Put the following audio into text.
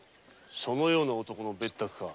そのような男の別宅か。